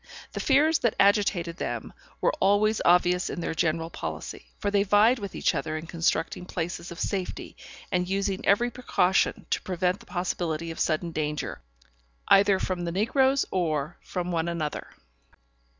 The fears that agitated them were always obvious in their general policy, for they vied with each other in constructing places of safety, and using every precaution to prevent the possibility of sudden danger, either from the negroes or from one another.